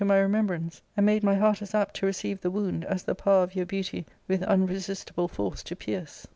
my remembrance, and made my heart as apt to receive the wound as the power of your beauty with unresistible force . to pierce.